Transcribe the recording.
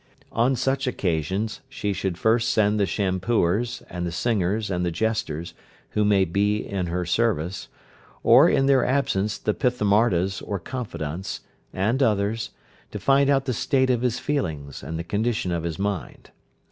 On such occasions she should first send the shampooers, and the singers, and the jesters, who may be in her service, or, in their absence the Pithamardas, or confidants, and others, to find out the state of his feelings, and the condition of his mind.